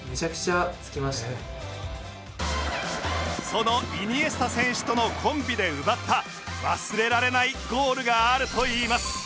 そのイニエスタ選手とのコンビで奪った忘れられないゴールがあると言います